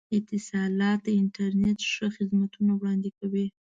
اتصالات د انترنت ښه خدمتونه وړاندې کوي.